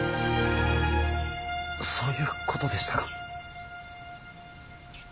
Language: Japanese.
そういうことでしたか。